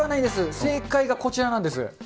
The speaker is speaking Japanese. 正解がこちらなんです。